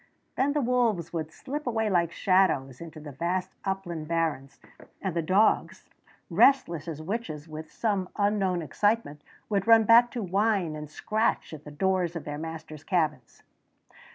Then the wolves would slip away like shadows into the vast upland barrens, and the dogs, restless as witches with some unknown excitement, would run back to whine and scratch at the doors of their masters' cabins.